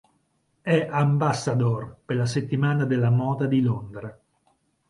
È "Ambassador" per la Settimana della moda di Londra.